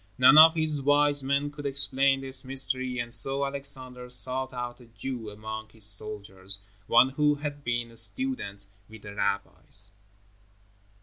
None of his wise men could explain this mystery and so Alexander sought out a Jew among his soldiers, one who had been a student with the rabbis.